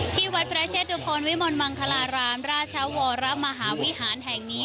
ที่วัดพระเชตุพลวิมลมังคลารามราชวรมหาวิหารแห่งนี้